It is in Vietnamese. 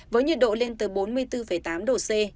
với nhiệt độ lên tới bốn mươi bốn tám độ c